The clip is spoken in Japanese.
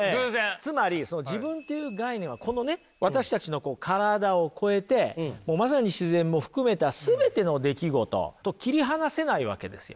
つまり自分という概念はこのね私たちの体を超えてもうまさに自然も含めた全ての出来事と切り離せないわけですよ。